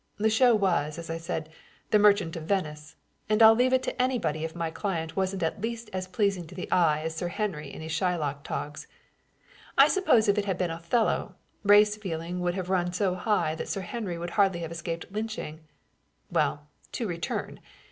The show was, as I said, The Merchant of Venice, and I'll leave it to anybody if my client wasn't at least as pleasing to the eye as Sir Henry in his Shylock togs. I suppose if it had been Othello, race feeling would have run so high that Sir Henry would hardly have escaped lynching. Well, to return.